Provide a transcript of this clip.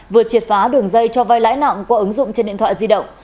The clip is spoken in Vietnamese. vừa triệt phá đường dây cho vai lãi nặng qua ứng dụng trên điện thoại di động